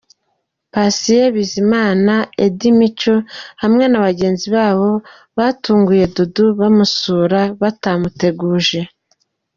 Patient Bizimana, Eddy Mico hamwe na bagenzi babo batunguye Dudu bamusura batamuteguje.